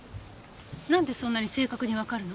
なんでそんなに正確にわかるの？